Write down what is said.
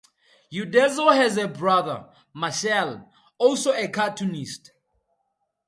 Uderzo has a brother, Marcel, also a cartoonist.